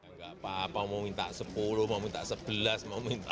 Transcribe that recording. nggak apa apa mau minta sepuluh mau minta sebelas mau minta